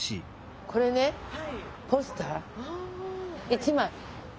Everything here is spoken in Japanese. １枚。